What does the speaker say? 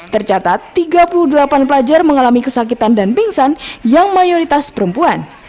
tercatat tiga puluh delapan pelajar mengalami kesakitan dan pingsan yang mayoritas perempuan